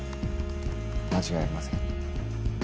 間違いありません。